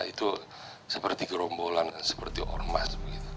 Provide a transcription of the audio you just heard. itu seperti gerombolan seperti ormas